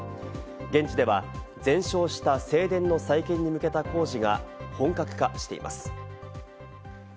現地では全焼した正殿の再建に向けた工事が本格化しています。